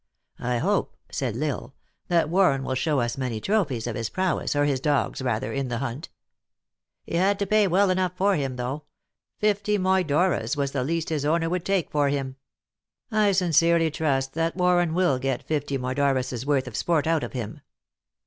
" I hope," said L Isle, " that Warren will show us many trophies of his prowess, or his dog s rather, in the hunt." " He had to pay well for him, though. Fifty moi dores w r as the least his owner would take for him." " I sincerely trust that Warren will get fifty moi dores worth of sport out of him."